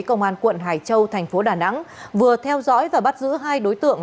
công an quận hải châu thành phố đà nẵng vừa theo dõi và bắt giữ hai đối tượng